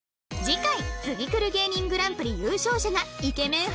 次回ツギクル芸人グランプリ優勝者がイケメン